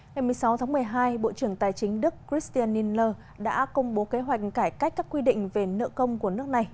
ngày một mươi sáu tháng một mươi hai bộ trưởng tài chính đức christian niner đã công bố kế hoạch cải cách các quy định về nợ công của nước này